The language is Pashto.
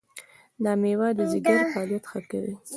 دا مېوه د ځیګر فعالیت ښه کوي.